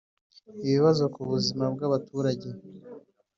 ibibazo ku buzima bw'abaturage.